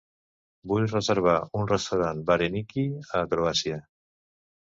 Vull reservar un restaurant varenyky a Croàcia.